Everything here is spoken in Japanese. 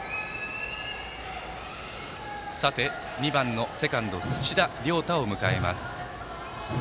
そして、２番のセカンド土田亮太を迎えます。